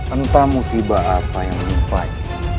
entah musibah apa yang menimpai